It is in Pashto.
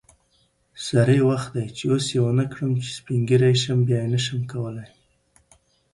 سری وخت دی چی اوس یی ونکړم چی سپین ږیری شم بیا نشم کولی